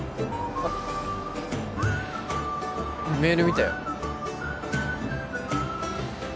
うんメール見たよ。